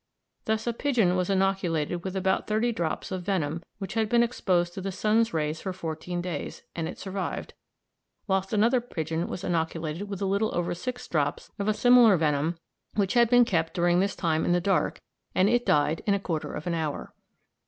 Thus, a pigeon was inoculated with about thirty drops of venom which had been exposed to the sun's rays for fourteen days, and it survived; whilst another pigeon was inoculated with a little over six drops of similar venom which had been kept during this time in the dark, and it died in a quarter of an hour.